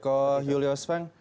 ko julius feng